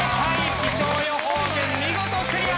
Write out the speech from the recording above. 気象予報士軍見事クリア！